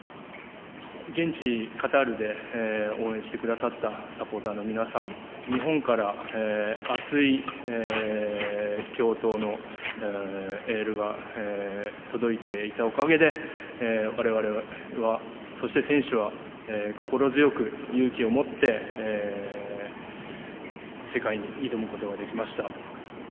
現地、カタールで応援してくださったサポーターの皆さん、日本から熱い共闘のエールが届いていたおかげで、われわれは、そして選手は心強く勇気を持って世界に挑むことができました。